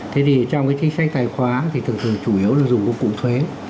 thế thì trong cái chính sách tài khoá thì thường thường chủ yếu là dùng công cụ thuế